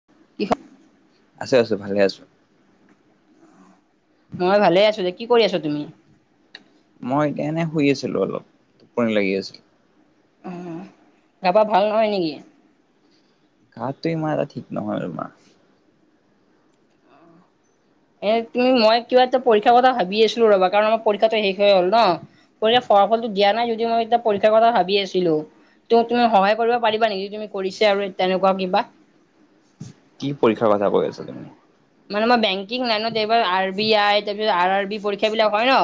[unintelligible] আছে আছো ভালে আছো। মই ভালে আছো দে। কি কৰি আছ তুমি? মই এতিয়া এনে শুই আছিলো অলপ টোপনি লাগি আছিল। গা-পা, ভাল নহয় নেকি? তাহঁতে মাৰা ঠিক নহয় আৰু মা এ' তুমি মই কিবা এটা পৰীক্ষাৰ কথা ভাবি আছিলোঁ ৰ'বা, কাৰণ আমাৰ পৰীক্ষাটো শেষ হৈ গ'ল ন। পৰীক্ষাৰ ফলাফলটো দিয়া নাই যদিও মই এতিয়া পৰীক্ষাৰ কথা ভাবি আছিলোঁ। ত' তুমি সহায় কৰিব পাৰিবা নেকি, তুমি কৰিছা আৰু তেনেকুৱা কিবা? কি পৰীক্ষাৰ কথা কৈ আছা তুমি? মানে মই বেংকিং লাইনত যে এইবাৰ আৰ বি আই, তাৰপিছত আৰ আৰ বি, পৰীক্ষা বিলাক হয় ন?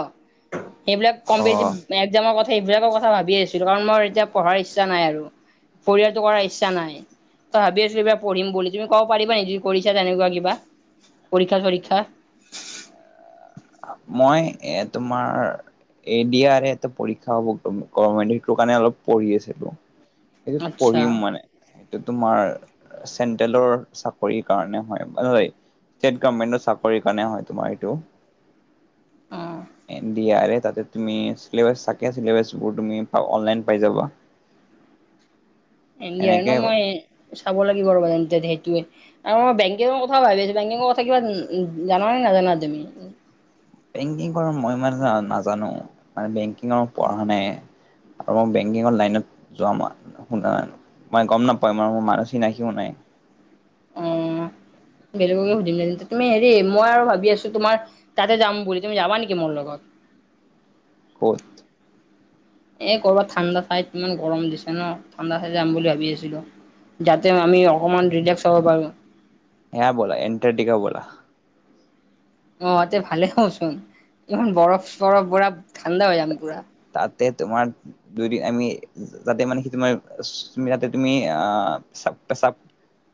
এইবিলাক অ কম-বেছি। একজামৰ কথা, সেইবিলাকৰ কথা ভাবি আছিলোঁ, কাৰণ মোৰ এতিয়া পঢ়াৰ ইচ্ছা নাই আৰু। পৰিয়ালটো কৰাৰ ইচ্ছা নাই। ত' ভাবি আছোঁ কিবা পঢ়িম বুলি, তুমি ক'ব পাৰিবা নে, যদি কৰিছা তেনেকুৱা কিবা, পৰীক্ষা-চৰীক্ষা। মই এ' তোমাৰ। এ' ডি আৰু এ, এটা পৰীক্ষা হ'ব, গভ-গভমেণ্টৰ, সেইটো কাৰণে অলপ পঢ়ি আছিলোঁ। এইটোত আচ্ছা পঢ়িম মানে, এইটো তোমাৰ। চেন্ট্ৰেলৰ চাকৰি কাৰণে হয়-হয়। ষ্টেট গভমেণ্টৰ চাকৰিৰ কাৰণে হয়, তোমাৰ এইটো। অ ডি আৰ এ, তাতে তুমি চিলেবাছ থাকে, চিলেবাছবোৰ তুমি অনলাইন পাই যাবা। এ' জানোঁ এনেকে মই, চাব লাগিব ৰবা তেন্তে সেইটোৱে। আৰু বেংকিং ৰ' কথাও ভাবি আছিলোঁ, বেংকিং ৰ' কথা কিবা জান নে নাজানা তুমি? বেংকিং কৰা মই ইমান এটা নাজানোঁ, মানে বেংকিং ৰ' পঢ়া নাই। আৰু মই বেংকিং ৰ' লাইনত যোৱা নাই, শুনা মই গমা নাপাই, মোৰ মানুহ চিনাকিও নাই। অহ' বেলেগকে সুধিম তেন্তে, তুমি হেৰি মই আৰু ভাবি আছোঁ তোমাৰ। তাতে যাম বুলি, তুমি যাবা নেকি মোৰ লগত? ক'ত? এই কৰ'বাত ঠাণ্ডা ঠাইত ইমান গৰম দিছে ন, ঠাণ্ডা ঠাইত যাম বুলি ভাবি আছিলোঁ। যাতে আমি অকমান ৰিলেক্স হব পাৰোঁ। এই' ব'লা এণ্টাৰ্টিকা ব'লা। অ' তাতে ভালে হবচোন, ইমান বৰফ-চৰফ, পুৰা ঠাণ্ডা হৈ যাম পুৰা। তাতে তোমাৰ। যদি আমি যাতে মানে সি তোমাৰ ইস সি সি যাতে তুমি আ আ আ আ পেচাব পেচাব।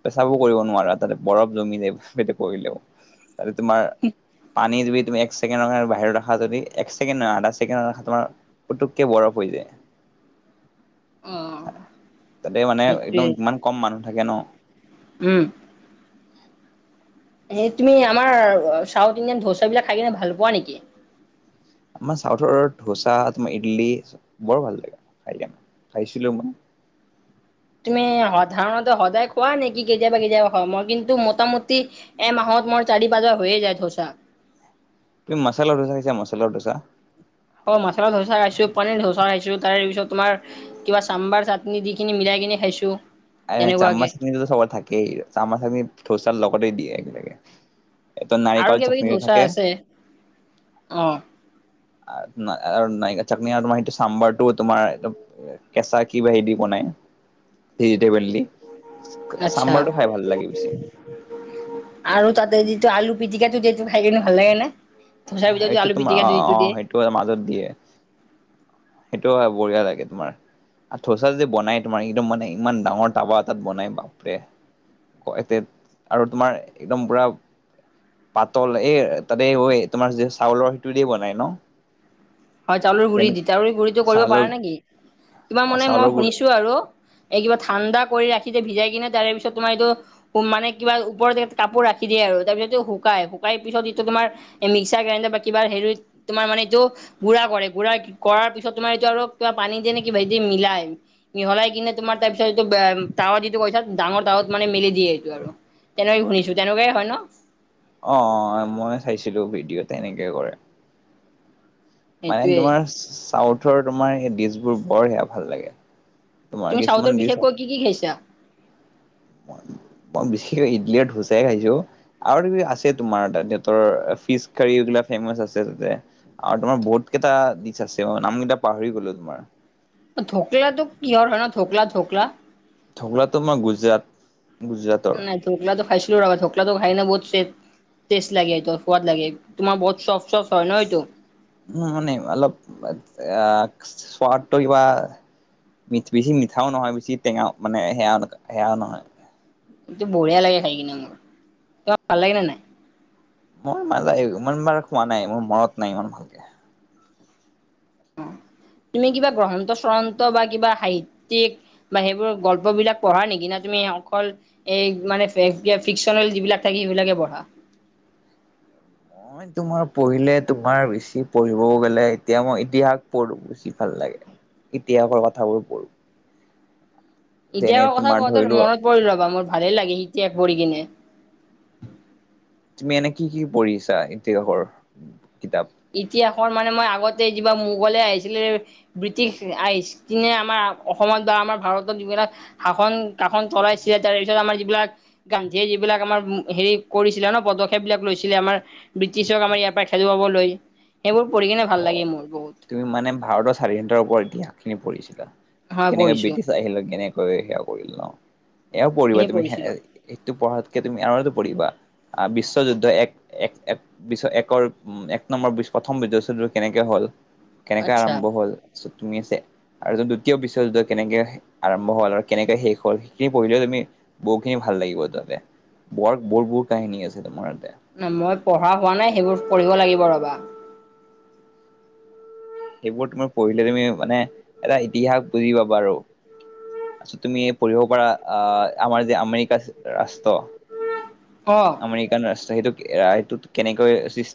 পেচাবো কৰিব নোৱাৰা তাতে বৰফ জমি যায় সেইটো কৰিলেও তাতে তোমাৰ। পানী যদি তুমি এক ছেকেণ্ডৰ কাৰণে বাহিৰত ৰখা যদি এক ছেকেণ্ড নহয় আধা ছেকেণ্ড ৰাখা তোমাৰ। পুটোককে বৰফ হৈ যায়। অ তাতে মানে সেইটোৱে একদম ইমান কম মানুহ থাকে ন। উম'। এই তুমি আমাৰ চাউথ ইণ্ডিয়ান ধোচা বিলাক খাই কিনে ভাল পোৱা নেকি? আমাৰ চাউথ ধোচা তোমাৰ ইডলি চব বৰ ভাল লাগে খাই কিনে খাইছিলোঁ মই। তুমি সাধাৰণতে সদায় খোৱা নেকি কেতিয়াবা কেতিয়াবা খোৱা মই কিন্তু মোটামুটি? এ মাহত মোৰ চাৰি পাঁচবাৰ হৈয়ে যায় ধোচা। তুমি মাছালা ধোচা খাইছা মছালা ধোচা। অ' মাছালা ধোচা খাইছোঁ পনীৰ ধোচা খাইছোঁ তাৰ পিছত তোমাৰ। কিবা চাম্বাৰ চাটনি দি কিনি মিলাই কিনে খাইছোঁ। এই চাম্বাৰ চাটনিটোত চবতে থাকেই চাম্বাৰ চাটনি ধোচাৰ লগতে দিয়ে একলগে। আৰু কিবাকিবি ধোচা আছে অ'। আ নাই আৰু নাৰিকল চাটনি আৰু তোমাৰ সেইটো চাম্বাৰটো তোমাৰ কেঁচা কিবা সেইদি বনাই ভেজিটেবল দি। আচ্ছা। চাম্বাৰটো খাই ভাল লাগে বেছি আৰু তাতে যিটো আলু পিটিকাটো সেইটো খাই কিনে ভাল লাগে নে? দচা ভিতৰত যে আলুপিটিকা এইটো দিয়ে। ত এ মাজত দিয়ে। সেইটো খাই বঢ়িয়া লাগে তোমাৰ। আৰু থচা যে বনাই তোমাৰ একদম মানে ইমান ডাঙৰ টাৱা এটাত বনাই বাপৰে! [unintelligible] এতে আৰু তোমাৰ একদম পুৰা পাতল এই তাতে ঐ তোমাৰ যে চাউলৰ সেইটো দিয়ে বনাই ন'? হয় চাউলৰ গুৰি যেনে দি, চাউলৰ গুৰিটো কৰিব পাৰা চাউলৰ নেকি, তোমাৰ অ মানে মই চাউলৰ গুৰি শুনিছো আৰু। এই কিবা ঠাণ্ডা কৰি ৰাখিছে ভিজাই কিনে তাৰে পিছত তোমাৰ এইটো উ মানে কিবা ওপৰ জেগাত কাপোৰ ৰাখি দিয়ে আৰু তাৰপিছতটো শুকাই শুকাই পিছত এইটো তোমাৰ মিক্সাৰ গ্ৰাইণ্ডাৰ বা কিবা হেৰিত তোমাৰ মানে এইটো গুড়া কৰে গুড়া কৰাৰ পিছত তোমাৰ এইটো আৰু কিবা পানী দিয়ে নে কিবাহেদি মিলাই। মিহলাই কিনে তোমাৰ তাৰপিছত এইটো বা তাৱা যিটো কৈছা ডাঙৰ তাৱাত মানে মেলি দিয়ে এইটো আৰু। তেনেকে শুনিছো, তেনেকুৱাই হয় ন? অ অ মই চাইছিলো ভিডিঅ'ত এনেকে কৰে। মানে সেইটোয়ে তোমাৰ চাউথৰ তোমাৰ এই ডিচবোৰ বৰ সেয়া ভাল লাগে। তোমাৰ তুমি কিছুমান চাউথৰ ডিচ বিষেশকৈ কি কি খাইছা? মই বিশেষক ইডলীয়ে ধোচাই খাইছো। আৰু তুমি আছে তোমাৰ তাত সিহঁতৰ ফিচ কাৰী এইবিলাক ফেমচ আছে তাতে। আৰু তোমাৰ বহুত কেইটা দিচ আছে অ' নাম কেইটা পাহৰি গ'লো তোমাৰ। ধোকলাতো কিহৰ হয় ন'? ধোকলা ধোকলা। ধোকলা তোমাৰ গুজৰাট গুজৰাটৰ। ধোকলাটো খাইছিলো ৰ'বা ধোকলাটো খাই কিনে বহুত ছেফ টেষ্ট লাগে সেইটো সোৱাদ লাগে, তোমাৰ বহুত চফ্ট চফ্ট হয় নহয় এইটো। মোৰ মনে অলপ অ' সোৱাদটো কিবা মি বেছি মিঠাও নহয় বছি টেঙাও মানে সেয়াও সেয়াও নহয়। এইটো বঢ়িয়া লাগে খাই কিনে মোৰ, তোমাৰ ভাল লাগে নে নাই? মই [unintelligible] ইমান বাৰ খুৱা নাই মোৰ মনত নাই ইমান ভালকে। তুমি কিবা গ্ৰন্থ বা চন্থ বা কিবা সাহিত্যিক বা সেইবোৰ গল্প বিলাক পঢ়া নেকি? না তুমি অকল এই মানে ফিকচনেল যিবিলাক থাকে সেইবিলাকে পঢ়া? মই [inaudible] তোমাৰ পঢ়িলে তোমাৰ বেছি পঢ়িব গ'লে এতিয়া মই ইতিহাস পঢ়ো বেছি ভাল লাগে। ইতিহাসৰ কথাবোৰ পঢ়ো। যেনে ইতিহাসৰ কথা তোমাৰ কওঁতে ধৰি লোৱা মনত পৰিল ৰ'বা মোৰ ভালেই লাগে ইতিহাস পঢ়ি কিনে। তুমি এনে কি কি পঢ়িছা ইতিহাসৰ কিতাপ? ইতিহাসৰ মানে মই আগতে কিবা মোগলে আহিছিলে ব্ৰিটিছ [unintelligible] আমাৰ অসমত বা আমাৰ ভাৰতত যিবিলাক শাসন কাষন চলাইছিলে তাৰপিছত আমাৰ যিবিলাক গান্ধীয়ে যিবিলাক আমাৰ হেৰি কৰিছিলে ন' পদক্ষেপ বিলাক লৈছিলে আমাৰ। ব্ৰিটিছক আমাৰ ইয়াৰ পৰাই খেদুৱাবলৈ। সেইবোৰ পঢ়ি কিনে ভাল অ', লাগে মোৰ বহুত। তুমি মানে ভাৰতৰ স্বাধীনতাৰ ওপৰত ইতিহাস খিনি পঢ়িছিলা? হয় কেনেকে পঢ়িছো ব্ৰিটিছ আহিলে কেনেকে সেয়া কৰিল ল‌ওঁ। ' এয়াও পঢ়িবা সেইখিনি তুমি পঢ়িছিলো সেইটো পঢ়াতকে তুমি আৰু পঢ়িবা। অ' বিশ্ব যুদ্ধ এক এক এক বিশ্ব একৰ এক নম্বৰ প্ৰথম বি কেনেকে হ'ল, কেনেকৈ আচ্ছা আৰম্ভ হ'ল, চ ধুনীয়াচে আৰু দ্বিতীয় বিশ্বযুদ্ধ কেনেকে আৰম্ভ হ'ল আৰু কেনেকে শেষ হ'ল সেই পঢ়িলেও তুমি বহুখিনি ভাল লাগিব তাতে। বৰ বৰ বোৰ কাহিনী আছে তোমাৰ তাতে। ন' মই পঢ়া হোৱা নাই, সেইবোৰ পঢ়িব লাগিব ৰ'বা। সেইবোৰ তুমি পঢ়িলে তুমি মানে, এটা ইতিহাস বুজি পাবা আৰু। তাৰছত তুমি পঢ়িব পাৰা আ' আমাৰ যে আমেৰিকা ৰাষ্ট্ৰ অ'। আমেৰিকান ৰাষ্ট্ৰ সেইটোক এই সেইটোত কেনেকৈ সৃ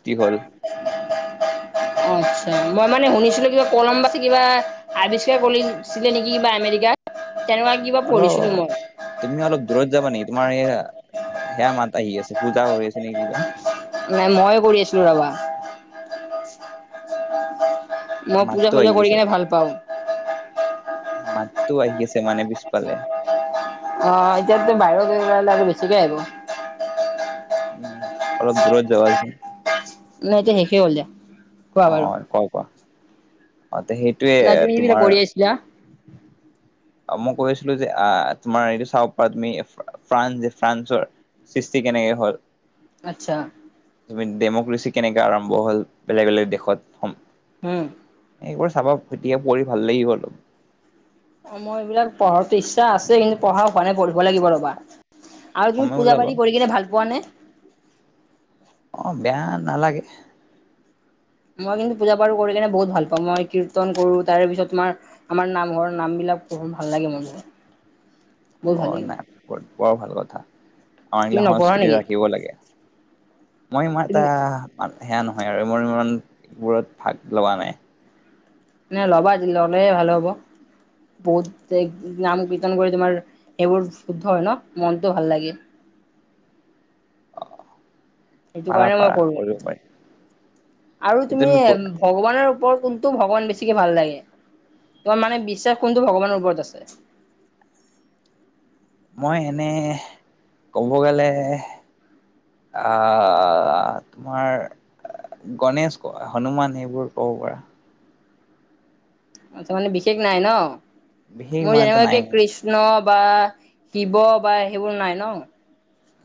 আচ্ছা। মই মানে শুনিছিলো কিবা কলমবাছে কিবা আৱিষ্কাৰ কৰিছিলে নেকি কিবা আমেৰিকা। তেনেকুৱা- কিবা অল পঢ়িছিলো মই তুমি অলপ দূৰত যাবা নেকি? তোমাৰ এইয়া- সেয়া মাত আহি আছে, পূজা হৈ আছে নে কিবা। নাই মই কৰি আছিলো ৰবা। মই পূজা মাতটো চূজা আহি কৰি আছে। কিনে ভাল পাওঁ মাতটো আহি আছে মানে- পিছফালে অ এতিয়াতটো বাহিৰত গৈ ওলালে আৰু বেছিকে আহিব। উম অলপ দূৰত যাবাচোন। নে এতিয়া শেষেই হ'ল দিয়া। কোৱা অ বাৰু! কোৱা কোৱা! অ তে সেইটোৱে [unintelligible] কৰি আছিলা। অ মই কৈ আছিলো যে, আহ তোমাৰ এইটো চাব পাৰা তুমি ফ্ৰান্স যে ফ্ৰান্সৰ সৃষ্টি কেনেকে হ'ল? আচ্ছা। তুমি ডেমক্ৰেচি কেনেকে আৰম্ভ হ'ল, বেলেগ বেলেগ দেশত। উম। এইবোৰ চাবা এতিয়া পঢ়ি ভাল লাগিব অলপ। অ মই এইবিলাক পঢ়াৰটো ইচ্ছা আছে, কিন্তু পঢ়া হোৱা নাই পঢ়িব লাগিব ৰ'বা। আৰু তুমি সময় পূজা ওলাব পাৰি কৰি কিনে ভাল পোৱা নে? অ বেয়া নালাগে। মই কিন্তু পূজা পাৰো কৰি কিনে বহুত ভাল পাওঁ। মই কীৰ্তন কৰো তাৰ পিছত তোমাৰ- আমাৰ নামঘৰৰ নামবিলাক পঢ়ো ভাল লাগে মনবোৰ। অ নাই বৰ ভাল কথা। আমাৰ তুমি এগিলা নপঢ়া সংস্কৃতি নেকি ৰাখিব লাগে। মই ইমান তুমি এটা সেয়া নহয় আৰু মোৰ ইমানবোৰত ভাগ লোৱা নাই। নে ল'বা আজি ল'লে ভাল হ'ব। বহুত এ নাম কীৰ্তন কৰি তোমাৰ এইবোৰ শুদ্ধ হয় ন, মনটো ভাল লাগে। সেইটো পাৰা কাৰণে মই পাৰা কৰো। কৰিব পাৰি আৰু তুমি এ- ভগৱানৰ ওপৰত কোনটো ভগৱান বেছিকে ভাল লাগে? তোমাৰ মানে বিশ্বাস কোনটো ভগৱানৰ ওপৰত আছে? মই এনে ক'ব গ'লে, আ তোমাৰ- গণেশ হনুমান সেইবোৰ ক'ব পাৰা। আচ্ছা মানে বিশেষ নাই ন? বিশেষ মোৰ ইমান এটা নাই জেনিবাগে কৃষ্- কষ্ণ বা শিৱ বা সেইবোৰ নাই ন?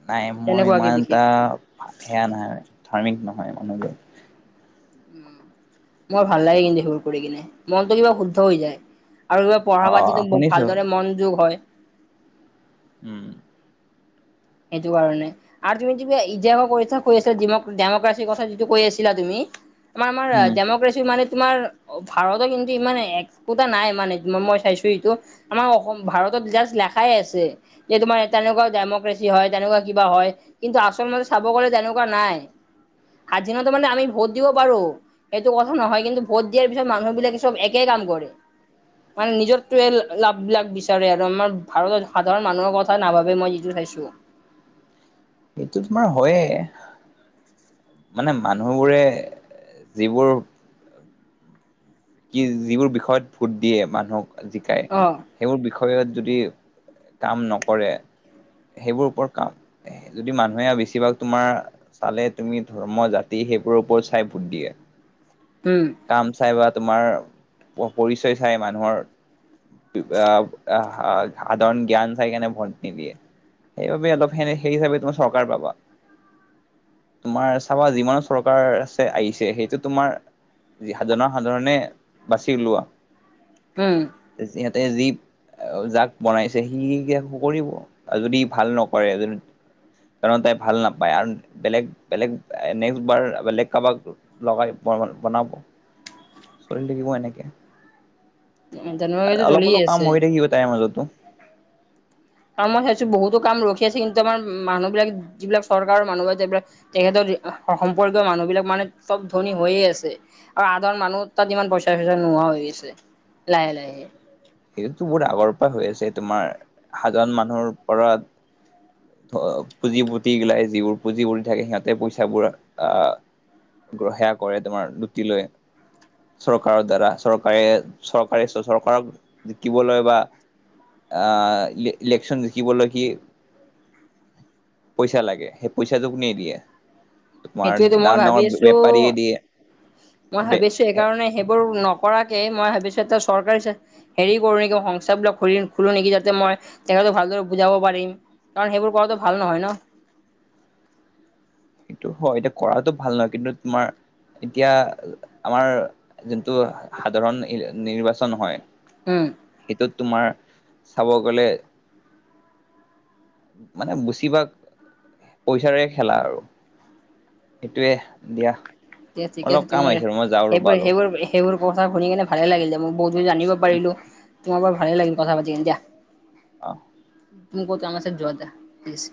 নাই মই তেনেকুৱাকে ইমান বিশেষ এটা সেয়া নহয় ধাৰ্মিক নহয় মানে যে। উম। মোৰ ভাল লাগে কিন্তু সেইবোৰ কৰি কিনে, মনতটো কিবা শুদ্ধ হৈ যায়। আৰু পঢ়া অ পাত যিটো শুনিছো ভালদৰে মন যোগ হয়। উম। এইটো কাৰণে। আৰু তুমি যিবি ইজ কৰি কৈ আছিলা ডেমক্ৰেছিৰ কথা যিটো কৈ আছিলা তুমি। [unintelligible] আমাৰ আমাৰ উম ডেম'ক্ৰেছি মানে। তোমাৰ ভাৰতৰ কিন্তু ইমান এক্সপোটা নাই মানে মই চাইছো ইটো। আমাৰ অসম ভাৰতত জাষ্ট লেখাই আছে যে তোমাৰ এ তেনেকুৱা ডেমক্ৰে। হয় তেনেকুৱা কিবা হয় কিন্তু আচল মতে চাব গ'লে তেনেকুৱা নাই। সাত দিনত মানে আমি ভোট দিব পাৰো। সেইটো কথা নহয় কিন্তু ভোট দিয়াৰ পিছত মানুহ বিলাকে চব একে কাম কৰে। মানে নিজতে লাভবিলাক বিচাৰে আৰু আমাৰ ভাৰতৰ সাধাৰণ মানুহৰ কথা নাভাবে মই যিটো চাইছো। সেইটো তোমাৰ হয়ে। মানে মানুহবোৰে যিবোৰ। কি যিবোৰ বিষয়ত ভোট দিয়ে মানুহক জিকাই। অ', সেইবোৰ বিষয়ত যদি কাম নকৰে, সেইবোৰ ওপৰত কাম। যদি মানুহে বেছিভাগ তোমাৰ চালে তুমি ধৰ্ম জাতি সেইবোৰৰ ওপৰত চাই ভোট দিয়ে উম কাম চাই বা তোমাৰ পৰিচয় চাই মানুহৰ সাধাৰণ জ্ঞান চাইকাৰনে ভোট নিদিয়ে। সেইবাবে অলপ সে- সেই হিচাপে তুমাৰ চৰকাৰ পাবা তোমাৰ চাবা যিমানো চৰকাৰ আছে আহিছে সেইটো তোমাৰ জন সাধাৰণে বাচি উওলোৱা উম। সিহঁতে যি। যাক বনাইছে সি আৰম্ভ কৰিব আৰু যদি ভাল নকৰে কাৰ তাই ভাল নাপায় আৰু বেলেগ বেলেগ নেক্সট বাৰ বেলেগ কাৰোবাক লগাই বনাব চলি থাকিব এনেকে, জানুৱাৰীটো অলপ- চলিয়ে অলপ কাম আছে। হৈ থাকিব তাইৰ মাজতো মই চাইছো বহুতো কাম ৰখি আছে কিন্তু আমাৰ মানুহ বিলাক যিবিলাক চৰকাৰৰ মানুহ বা যিবিলাক তেখেতৰ সম্পৰ্কীয় মানুহবিলাক মানে চব ধনী হৈয়ে আছে আৰু আধৰ মানুহ তাত ইমান পইচা চইচা নোহোৱা হৈ গৈছে লাহে লাহে সেইটোতো বহুত আগৰ পৰা হৈ আছে তোমাৰ, সাধাৰণ মানুহৰ ওপৰত পুঁজি পুতিগিলাই যিবোৰ পুঁজি পতি থাকে সিহঁতে পইচাবোৰ আহ গ্ৰসেয়া কৰে তোমাৰ লুতি লৈ চৰকাৰৰ দ্বাৰা চৰকাৰে, চৰকাৰে চৰকাৰক জিকিবলৈ বা আহ ইলেকশচন জিকিবলৈ কি পইচা লাগে সেই পইচাটো কোনে দিয়ে তোমাৰ সেইটোৱেতো মই ডাঙৰ - ভাবি ডাঙৰ আছো বেপাৰীয়ে দিয়ে সেইকাৰণে সেইবোৰ নকৰাকে মই ভাবিছো এটা চৰকাৰী হেৰি কৰোঁ নেকি সংস্থাবিলাক খুলো নেকি যাতে মই তেখেতক ভালদৰে বুজাব পাৰিম কাৰণ সেইবোৰ কৰাটো ভাল নহয় ন সেইটো হয় এটো কৰাটো ভাল নহয় কিন্তু তোমাৰ এতিয়া আমাৰ যোনটো সাধাৰণ নিৰ্বাচন হয়। উম, সেইটোত তোমাৰ চাব গলে মানে বুচি বা পইচাৰে খেলা আৰু সেইটোৱে। দিয়া দিয়া ঠিকে আছে অলপ কাম তোমাৰ আহিছিলো ৰ মই যাওঁ সেইবোৰ ৰ'বা অলপ। সেইবোৰ সেইবোৰ কথা শুনি কিনে ভাল লাগিল ম বহুতবোৰ জানিব উম পাৰিলোঁ। তোমাৰ ভালেই লাগিল কথা পাতি দিয়া। অ', তুমি ক'ত আৰ যোৱা দা প্লিজ।